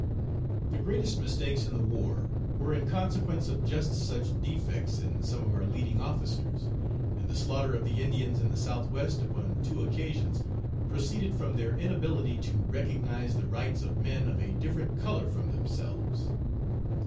The greatest mistakes in the war were in consequence of just such defects in some of our leading officers, and the slaughter of the Indians in the South West upon two occasions proceeded from their inability to recognize the rights of men of a different color from themselves.